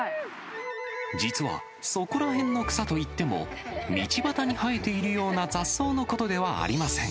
実は、そこらへんの草といっても、道端に生えているような雑草のことではありません。